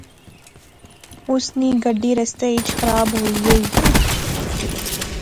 اس نی گڈی رستے اچ خراب ہوئی غئی